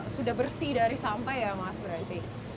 sudah bersih dari sampah ya mas berarti